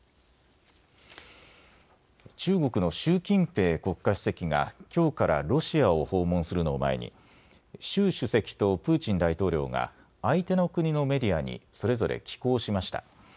中国の習近平国家主席がきょうからロシアを訪問するのを前に習主席とプーチン大統領が相手の国のメディアにそれぞれ寄稿しました。